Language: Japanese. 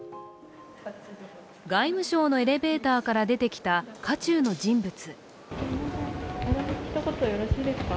外務省のエレベーターから出てきた渦中の人物。